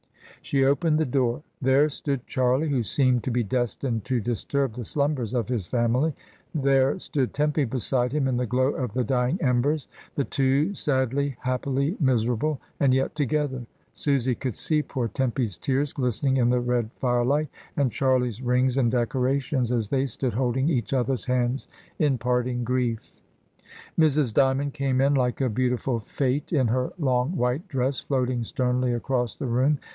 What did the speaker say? She opened the door. There stood Charlie, who seemed to be destined to disturb the slumbers of his family. There stood Tempy beside him, in the glow of the dying embers — the two sadly, happily miserable, and yet together! Susy could see poorTempy's tears glistening in the red fire light, and Charlie's rings and decorations, as they stood holding each other's hands in parting grie£ Mrs. Dymond came in like a beautiful fate, in Mrs, Dymond, /. 1 9 290 MRS. DYMOND. her long white dress floating sternly across the room.